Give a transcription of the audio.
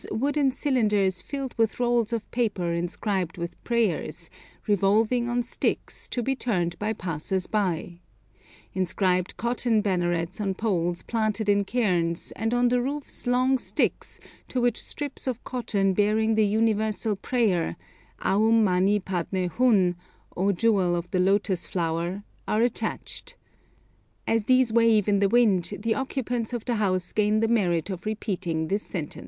wooden cylinders filled with rolls of paper inscribed with prayers, revolving on sticks, to be turned by passers by, inscribed cotton bannerets on poles planted in cairns, and on the roofs long sticks, to which strips of cotton bearing the universal prayer, Aum mani padne hun (O jewel of the lotus flower), are attached. As these wave in the wind the occupants of the house gain the merit of repeating this sentence.